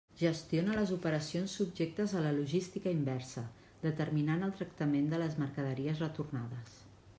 Gestiona les operacions subjectes a la logística inversa, determinant el tractament de les mercaderies retornades.